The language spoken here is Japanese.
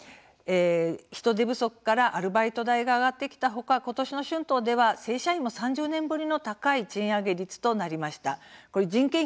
人手不足からアルバイト代が上がってきた他、今年の春闘では正社員も３０年ぶりの高い賃上げ率となりました。